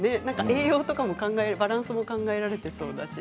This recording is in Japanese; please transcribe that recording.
栄養とかも、バランスも考えられてそうだし